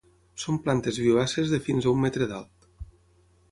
Són plantes vivaces de fins a un metre d'alt.